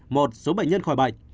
một số bệnh nhân khỏi bệnh